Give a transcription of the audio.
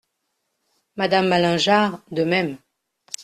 Madame Malingear , de même.